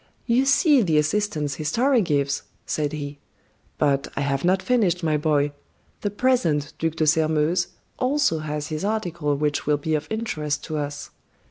"You see the assistance history gives," said he. "But I have not finished, my boy; the present Duc de Sairmeuse also has his article which will be of interest to us.